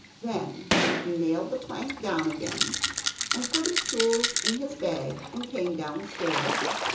Then he nailed the plank down again and put his tools in his bag, and came downstairs.